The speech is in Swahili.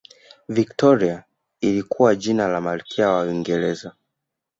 victoria lilikuwa jina la malikia wa uingereza